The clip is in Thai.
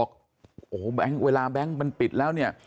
ก็บอกเวลาแบล๊งช์มันปิดแล้วนี่